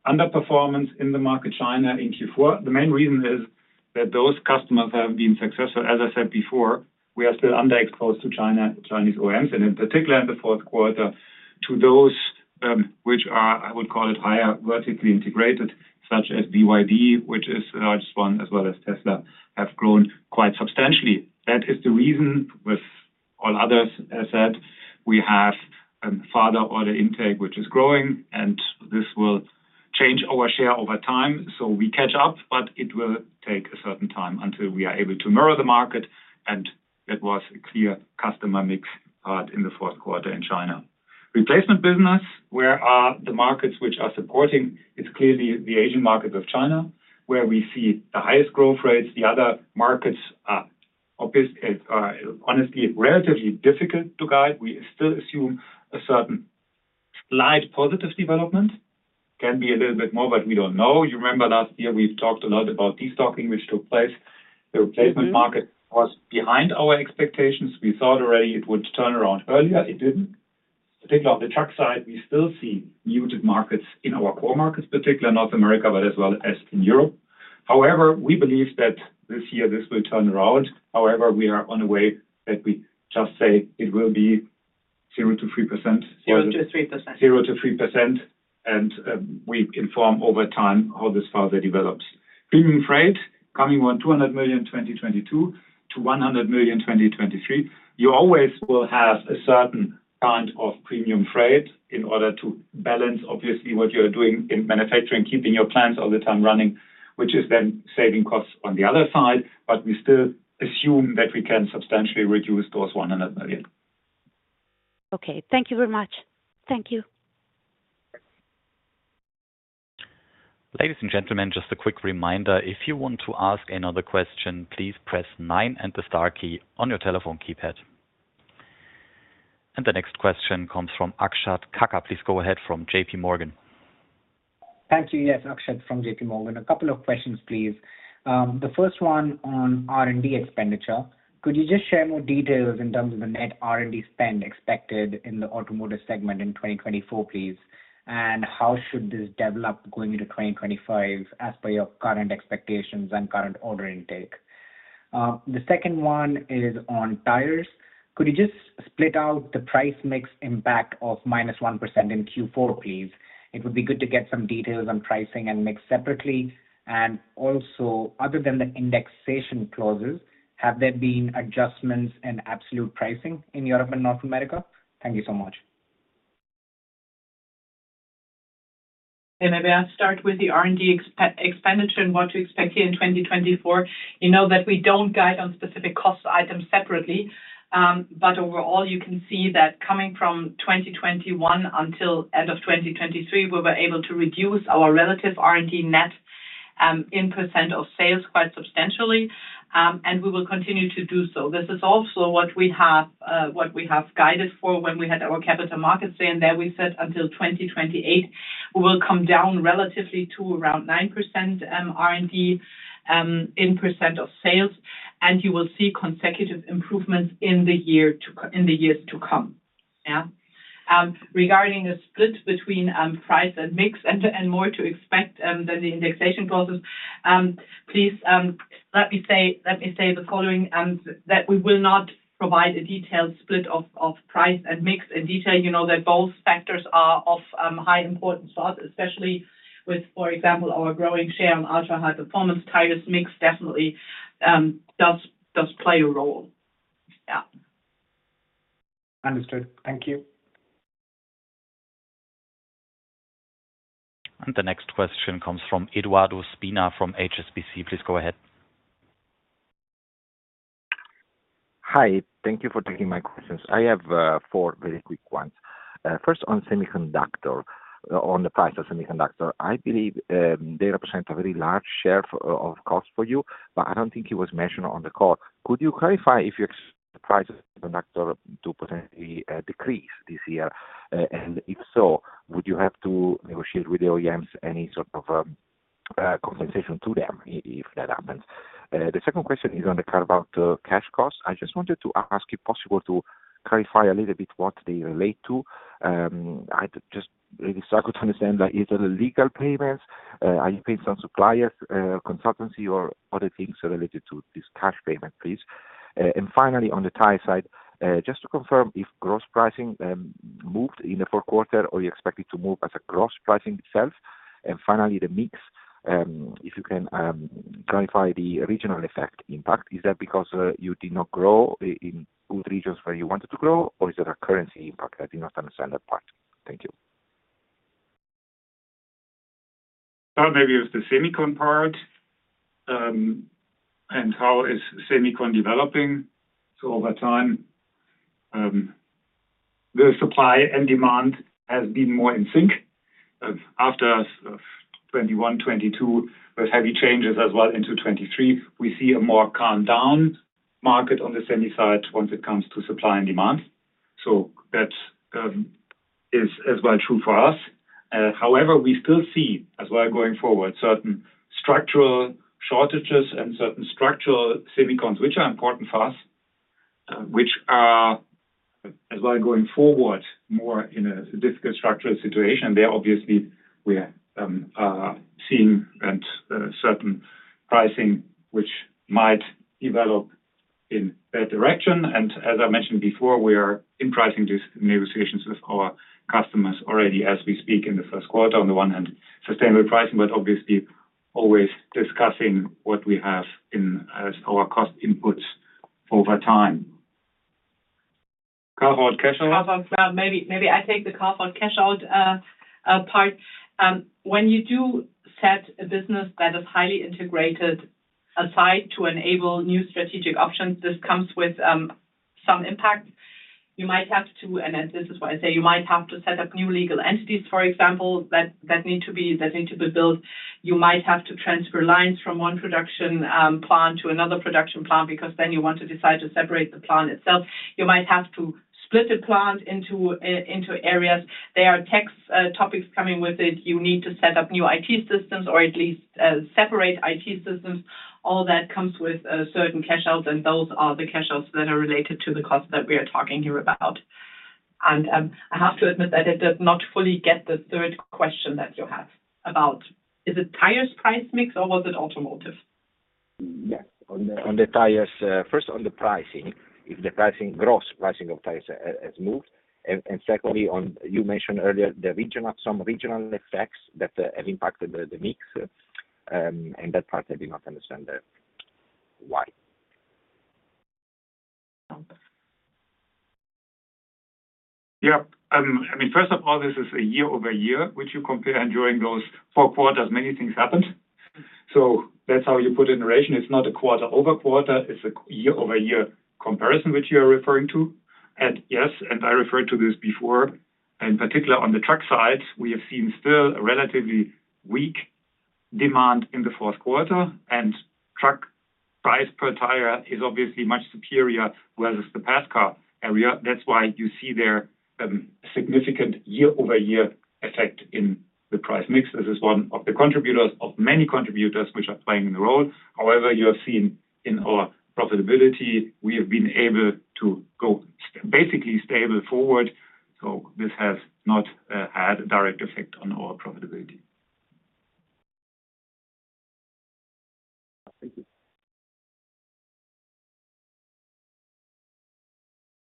underperformance in the market China in Q4. The main reason is that those customers have been successful. As I said before, we are still underexposed to Chinese OEMs, and in particular in the fourth quarter, to those which are, I would call it, higher vertically integrated, such as BYD, which is the largest one, as well as Tesla, have grown quite substantially. That is the reason with all others, as said, we have further order intake, which is growing, and this will change our share over time. So we catch up, but it will take a certain time until we are able to mirror the market. And that was a clear customer mix part in the fourth quarter in China. Replacement business, where are the markets which are supporting? It's clearly the Asian markets of China where we see the highest growth rates. The other markets are honestly relatively difficult to guide. We still assume a certain slight positive development. Can be a little bit more, but we don't know. You remember last year, we've talked a lot about destocking, which took place. The replacement market was behind our expectations. We thought already it would turn around earlier. It didn't. Particularly on the truck side, we still see muted markets in our core markets, particularly North America, but as well as in Europe. However, we believe that this year, this will turn around. However, we are on a way that we just say it will be 0%-3%. 0%-3%. 0%-3%. We inform over time how this further develops. Premium freight coming on 200 million 2022 to 100 million 2023. You always will have a certain kind of premium freight in order to balance, obviously, what you're doing in manufacturing, keeping your plants all the time running, which is then saving costs on the other side. But we still assume that we can substantially reduce those 100 million. Okay. Thank you very much. Thank you. Ladies and gentlemen, just a quick reminder, if you want to ask another question, please press nine and the star key on your telephone keypad. And the next question comes from Akshat Kacker. Please go ahead from JPMorgan. Thank you. Yes, Akshat from JPMorgan. A couple of questions, please. The first one on R&D expenditure. Could you just share more details in terms of the net R&D spend expected in the Automotive segment in 2024, please? And how should this develop going into 2025 as per your current expectations and current order intake? The second one is on Tires. Could you just split out the price mix impact of -1% in Q4, please? It would be good to get some details on pricing and mix separately. And also, other than the indexation clauses, have there been adjustments in absolute pricing in Europe and North America? Thank you so much. Maybe I'll start with the R&D expenditure and what to expect here in 2024. You know that we don't guide on specific cost items separately. But overall, you can see that coming from 2021 until end of 2023, we were able to reduce our relative R&D net in percent of sales quite substantially, and we will continue to do so. This is also what we have guided for when we had our Capital Markets Day. There we said until 2028, we will come down relatively to around 9% R&D in percent of sales. And you will see consecutive improvements in the years to come, yeah? Regarding a split between price and mix and more to expect than the indexation clauses, please let me say the following: that we will not provide a detailed split of price and mix in detail. You know that both factors are of high importance for us, especially with, for example, our growing share on ultra-high-performance tires mix definitely does play a role, yeah. Understood. Thank you. The next question comes from Edoardo Spina from HSBC. Please go ahead. Hi. Thank you for taking my questions. I have four very quick ones. First, on the prices of semiconductors, I believe they represent a very large share of costs for you, but I don't think it was mentioned on the call. Could you clarify if you expect the prices of semiconductors to potentially decrease this year? And if so, would you have to negotiate with the OEMs any sort of compensation to them if that happens? The second question is on the carve-out cash costs. I just wanted to ask if possible to clarify a little bit what they relate to. I just really struggle to understand. Is it legal payments? Are you paying some suppliers, consulting, or other things related to this cash payment, please? Finally, on the Tires side, just to confirm if gross pricing moved in the fourth quarter or you expect it to move as a gross pricing itself. Finally, the mix, if you can clarify the regional effect impact? Is that because you did not grow in good regions where you wanted to grow, or is that a currency impact? I did not understand that part. Thank you. Maybe it was the semicon part and how is semicon developing? Over time, the supply and demand has been more in sync. After 2021, 2022, with heavy changes as well into 2023, we see a more calmed-down market on the semi side once it comes to supply and demand. That is as well true for us. However, we still see as well going forward certain structural shortages and certain structural semicons, which are important for us, which are as well going forward more in a difficult structural situation. There, obviously, we are seeing certain pricing which might develop in that direction. As I mentioned before, we are in pricing negotiations with our customers already as we speak in the first quarter. On the one hand, sustainable pricing, but obviously always discussing what we have as our cost inputs over time. Carve-out cash-out? Maybe I take the carve-out cash-out part. When you do set a business that is highly integrated aside to enable new strategic options, this comes with some impact. You might have to—and this is why I say—you might have to set up new legal entities, for example, that need to be built. You might have to transfer lines from one production plant to another production plant because then you want to decide to separate the plant itself. You might have to split a plant into areas. There are tax topics coming with it. You need to set up new IT systems or at least separate IT systems. All that comes with certain cash-outs, and those are the cash-outs that are related to the cost that we are talking here about. I have to admit that I did not fully get the third question that you have about: is it Tires price mix, or was it Automotive? Yes. On the Tires, first on the pricing, if the gross pricing of tires has moved? And secondly, you mentioned earlier some regional effects that have impacted the mix. And that part, I did not understand that. Yep. I mean, first of all, this is a year-over-year, which you compare during those four quarters. Many things happened. So that's how you put it in relation. It's not a quarter-over-quarter. It's a year-over-year comparison which you are referring to. And yes, and I referred to this before. In particular, on the truck side, we have seen still a relatively weak demand in the fourth quarter. And truck price per tire is obviously much superior versus the PassCar. That's why you see there a significant year-over-year effect in the price mix. This is one of the contributors of many contributors which are playing in the role. However, you have seen in our profitability, we have been able to go basically stable forward. So this has not had a direct effect on our profitability. Thank you.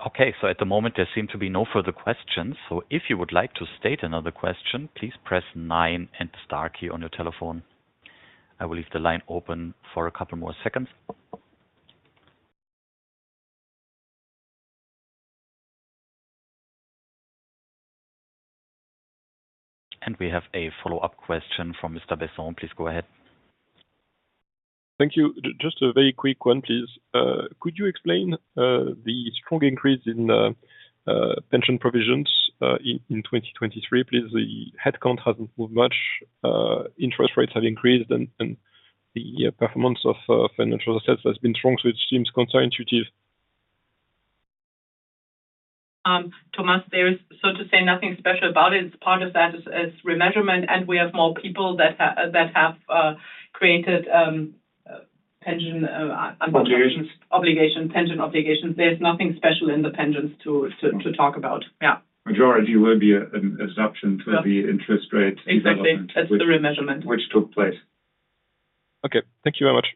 Okay. At the moment, there seem to be no further questions. If you would like to state another question, please press nine and the star key on your telephone. I will leave the line open for a couple more seconds. We have a follow-up question from Mr. Besson. Please go ahead. Thank you. Just a very quick one, please. Could you explain the strong increase in pension provisions in 2023, please? The headcount hasn't moved much. Interest rates have increased, and the performance of financial assets has been strong, so it seems counterintuitive. Thomas, there is, so to say, nothing special about it. It's part of that as remeasurement, and we have more people that have created pension obligations. There's nothing special in the pensions to talk about, yeah. Majority will be an adaptation to the interest rate development. Exactly. That's the remeasurement. Which took place. Okay. Thank you very much.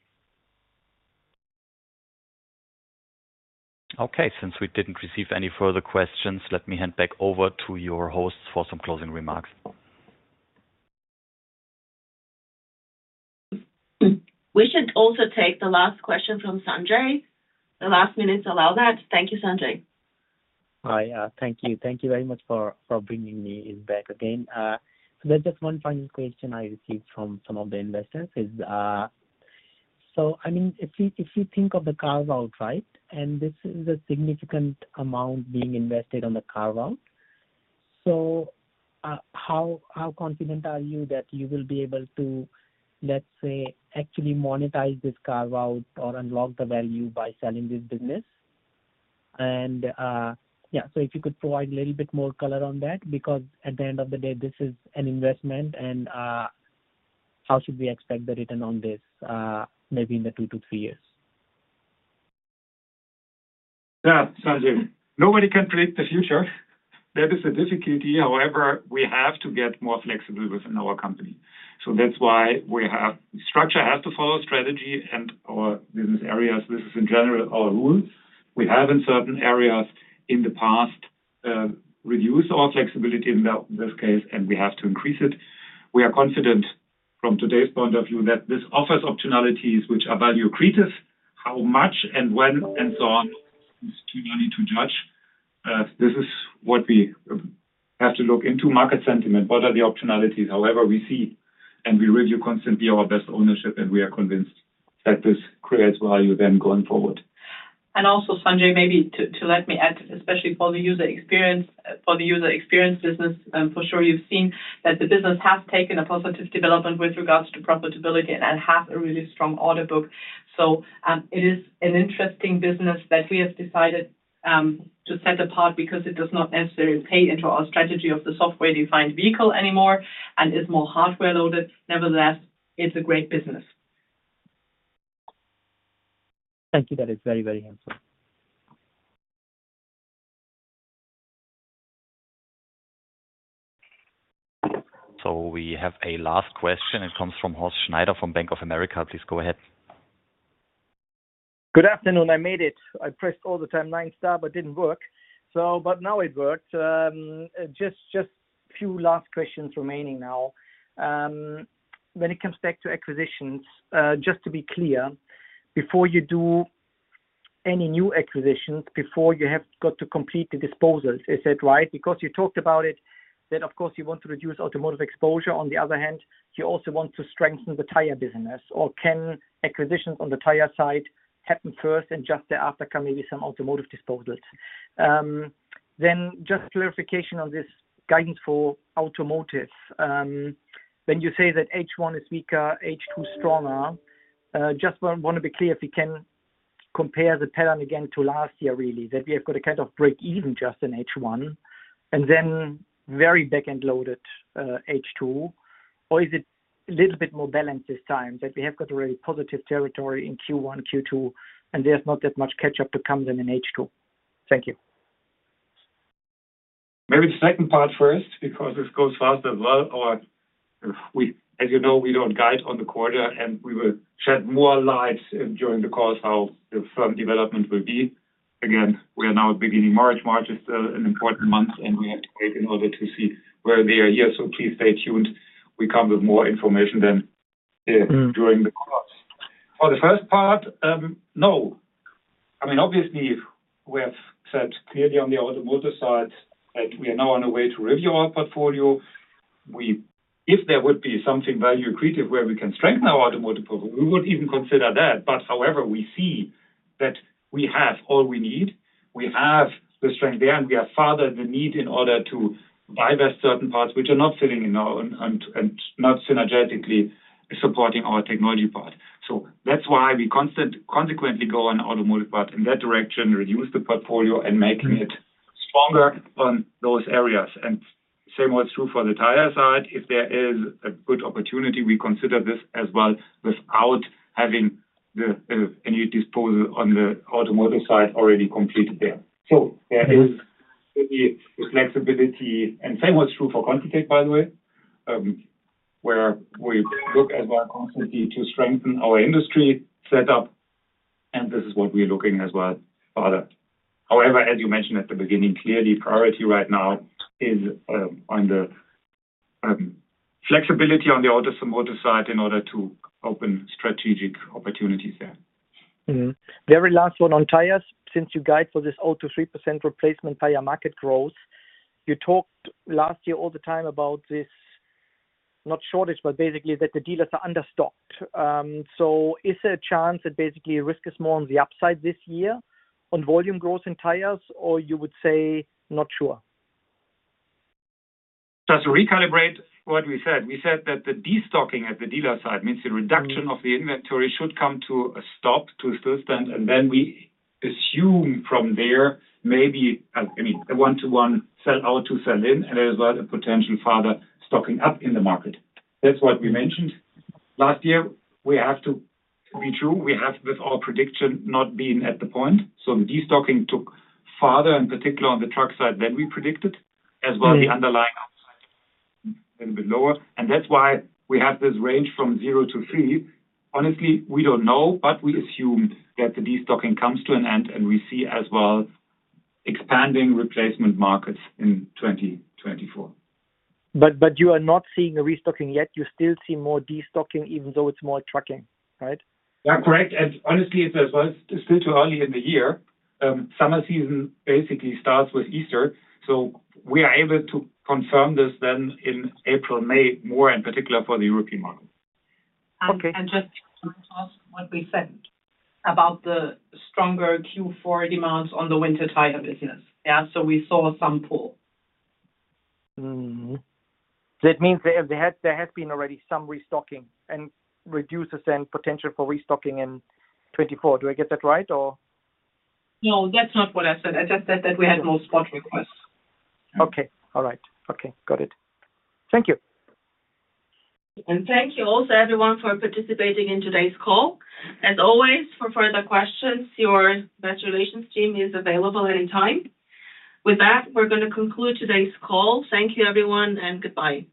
Okay. Since we didn't receive any further questions, let me hand back over to your hosts for some closing remarks. We should also take the last question from Sanjay. The last minutes allow that. Thank you, Sanjay. Hi. Thank you. Thank you very much for bringing me back again. So there's just one final question I received from some of the investors. So, I mean, if you think of the carve-out, right, and this is a significant amount being invested on the carve-out, so how confident are you that you will be able to, let's say, actually monetize this carve-out or unlock the value by selling this business? And yeah, so if you could provide a little bit more color on that because at the end of the day, this is an investment, and how should we expect the return on this maybe in the two to three years? Yeah, Sanjay. Nobody can predict the future. That is a difficulty. However, we have to get more flexible within our company. So that's why structure has to follow strategy, and our business areas—this is, in general, our rule—we have in certain areas in the past reduced our flexibility in this case, and we have to increase it. We are confident from today's point of view that this offers optionalities which are value creative. How much and when and so on is too early to judge. This is what we have to look into: market sentiment. What are the optionalities? However, we see and we review constantly our best ownership, and we are convinced that this creates value then going forward. And also, Sanjay, maybe to let me add, especially for the User Experience business, for sure you've seen that the business has taken a positive development with regards to profitability and has a really strong order book. So it is an interesting business that we have decided to set apart because it does not necessarily pay into our strategy of the software-defined vehicle anymore and is more hardware-loaded. Nevertheless, it's a great business. Thank you. That is very, very helpful. So we have a last question. It comes from Horst Schneider from Bank of America. Please go ahead. Good afternoon. I made it. I pressed all the time nine star, but it didn't work. But now it worked. Just a few last questions remaining now. When it comes back to acquisitions, just to be clear, before you do any new acquisitions, before you have got to complete the disposals, is that right? Because you talked about it that, of course, you want to reduce Automotive exposure. On the other hand, you also want to strengthen the Tires business. Or can acquisitions on the Tires side happen first and just thereafter come maybe some Automotive disposals? Then just clarification on this guidance for Automotive. When you say that H1 is weaker, H2 stronger, just want to be clear if we can compare the pattern again to last year, really, that we have got a kind of break-even just in H1 and then very back-end-loaded H2, or is it a little bit more balanced this time that we have got already positive territory in Q1, Q2, and there's not that much catch-up to come then in H2? Thank you. Maybe the second part first because this goes fast as well. As you know, we don't guide on the quarter, and we will shed more light during the calls how the firm development will be. Again, we are now beginning March. March is still an important month, and we have to wait in order to see where they are here. So please stay tuned. We come with more information then during the calls. For the first part, no. I mean, obviously, we have said clearly on the Automotive side that we are now on the way to review our portfolio. If there would be something value-creative where we can strengthen our Automotive portfolio, we would even consider that. But however, we see that we have all we need. We have the strength there, and we have identified the need in order to buy back certain parts which are not fitting in and not synergistically supporting our technology part. So that's why we consequently go on the Automotive part in that direction, reduce the portfolio, and make it stronger on those areas. Same was true for the Tires side. If there is a good opportunity, we consider this as well without having any disposal on the Automotive side already completed there. There is the flexibility. Same was true for ContiTech, by the way, where we look as well constantly to strengthen our industry setup, and this is what we are looking as well further. However, as you mentioned at the beginning, clearly, priority right now is on the flexibility on the Automotive side in order to open strategic opportunities there. Very last one on Tires. Since you guide for this 0%-3% replacement tire market growth, you talked last year all the time about this not shortage, but basically that the dealers are understocked. So is there a chance that basically risk is more on the upside this year on volume growth in Tires, or you would say not sure? Just recalibrate what we said. We said that the destocking at the dealer side means the reduction of the inventory should come to a stop, to a standstill, and then we assume from there maybe, I mean, a one-to-one sell out to sell in, and there is well a potential further stocking up in the market. That's what we mentioned last year. Truth be told, we have, with our prediction, not been on point. So the destocking took further, in particular on the truck side, than we predicted, as well as the underlying autosales a little bit lower. And that's why we have this range from 0%-3%. Honestly, we don't know, but we assume that the destocking comes to an end and we see as well expanding replacement markets in 2024. But you are not seeing a restocking yet. You still see more destocking even though it's more trucking, right? Yeah, correct. Honestly, it's as well still too early in the year. Summer season basically starts with Easter, so we are able to confirm this then in April, May, more in particular for the European market. Just to ask what we said about the stronger Q4 demands on the winter tire business, yeah? So we saw some pull. That means there has been already some restocking and reduces the potential for restocking in 2024. Do I get that right, or? No, that's not what I said. I just said that we had more spot requests. Okay. All right. Okay. Got it. Thank you. Thank you also, everyone, for participating in today's call. As always, for further questions, your Investor Relations team is available anytime. With that, we're going to conclude today's call. Thank you, everyone, and goodbye.